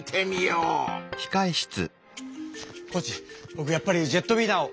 ぼくやっぱりジェットウィナーを。